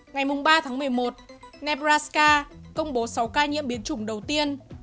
ngày ba tháng một mươi một nebraska công bố sáu ca nhiễm biến chủng đầu tiên